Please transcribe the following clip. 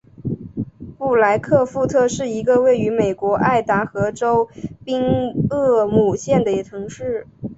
布莱克富特是一个位于美国爱达荷州宾厄姆县的城市。